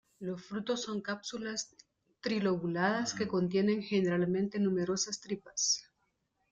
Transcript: Los frutos son cápsulas trilobuladas que contienen generalmente numerosas tripas.